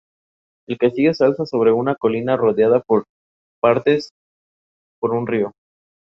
Los usuarios en su mayoría dijeron que la droga había arruinado sus vidas.